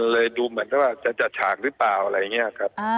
เลยดูเหมือนกันว่าจะจัดฉากหรือเปล่าอะไรอย่างเงี้ยครับอ่า